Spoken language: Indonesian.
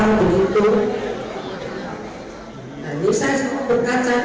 rahmawati juga mengatakan hingga saat ini belum ada sosok pemimpin seperti ayahnya megawati soekarno putri